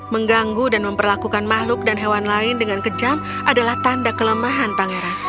mengganggu dan memperlakukan makhluk dan hewan lain dengan kejam adalah tanda kelemahan pangeran